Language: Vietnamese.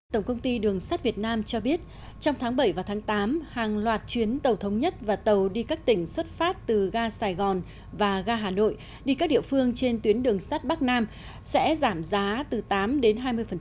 tổng công ty đường sắt việt nam cho biết trong tháng bảy và tháng tám hàng loạt chuyến tàu thống nhất và tàu đi các tỉnh xuất phát từ ga sài gòn và ga hà nội đi các địa phương trên tuyến đường sắt bắc nam sẽ giảm giá từ tám đến hai mươi